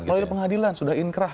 melalui pengadilan sudah inkrah